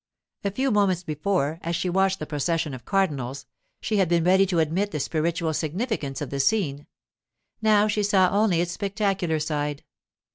A few moments before, as she watched the procession of cardinals, she had been ready to admit the spiritual significance of the scene; now she saw only its spectacular side.